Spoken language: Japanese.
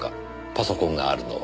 パソコンがあるのは。